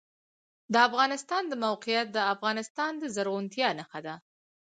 د افغانستان د موقعیت د افغانستان د زرغونتیا نښه ده.